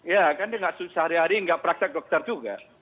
ya kan dia nggak sehari hari nggak praktek dokter juga